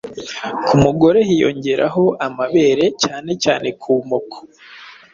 Ku mugore hiyongeraho amabere cyane cyane ku moko.